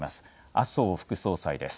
麻生副総裁です。